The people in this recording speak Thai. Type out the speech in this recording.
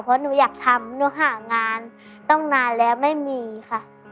เพราะหนูอยากทำหนูหางานตั้งนานแล้วไม่มีค่ะ